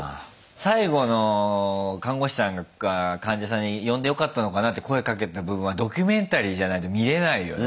最後の看護師さんが患者さんに呼んでよかったのかなって声かけた部分はドキュメンタリーじゃないと見れないよね。